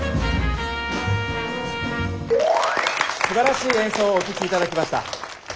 すばらしい演奏をお聴きいただきました。